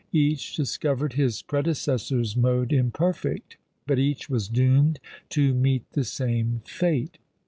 Each discovered his predecessor's mode imperfect, but each was doomed to meet the same fate.